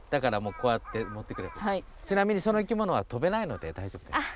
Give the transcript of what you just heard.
ちなみにその生きものは飛べないのでだいじょうぶです。